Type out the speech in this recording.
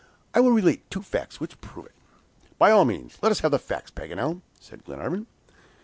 I will relate two facts which prove it." "By all means let us have the facts, Paganel," said Glenarvan.